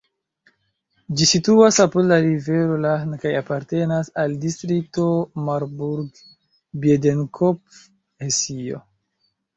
Ĝi situas apud la rivero Lahn kaj apartenas al distrikto Marburg-Biedenkopf, Hesio.